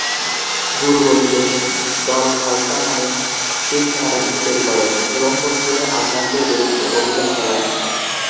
গুরু গোবিন্দ সিং দল খালসা নামে শিখ সেনাবাহিনী তৈরি করেন এবং পশ্চিমে আফগানদের বিরুদ্ধে অভিযান চালায়।